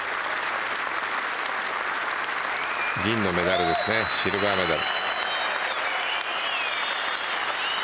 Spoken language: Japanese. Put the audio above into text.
銀のメダルですねシルバーメダル。